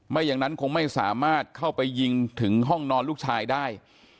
ไม่อย่างนั้นคงไม่สามารถเข้าไปยิงถึงห้องนอนลูกชายได้